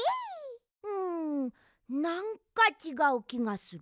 んなんかちがうきがする。